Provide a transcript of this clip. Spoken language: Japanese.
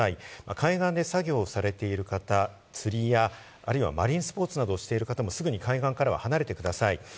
海岸で作業されている方、釣りや、あるいはマリンスポーツなどをしている方、すぐに海岸から離れてください。